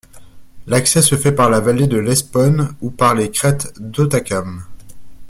L'accès se fait par la vallée de Lesponne ou par les crêtes d'Hautacam.